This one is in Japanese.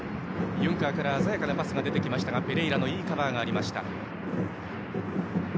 ユンカーから鮮やかなパスが出てきましたがペレイラのいいカバーがありました。